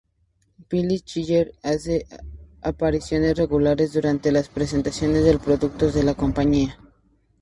Phil Schiller hace apariciones regulares durante las presentaciones de productos de la compañía.